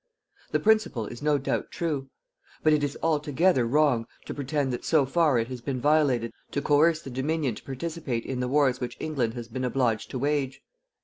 The principle is no doubt true. But it is altogether wrong to pretend that so far it has been violated to coerce the Dominion to participate in the wars which England has been obliged to wage.